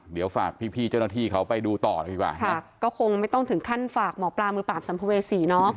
เดี๋ยวฝากพี่พี่เจ้าหน้าที่เขาไปดูต่อดีกว่าค่ะก็คงไม่ต้องถึงขั้นฝากหมอปลามือปราบสัมภเวษีเนอะ